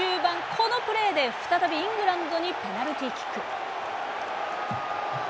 このプレーで再びイングランドにペナルティーキック。